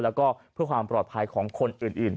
แล้วก็เพื่อความปลอดภัยของคนอื่น